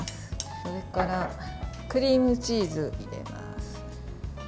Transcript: それからクリームチーズ入れます。